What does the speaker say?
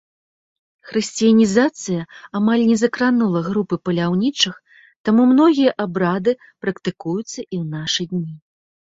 Хрысціянізацыя амаль не закранула групы паляўнічых, таму многія абрады практыкуюцца і ў нашы дні.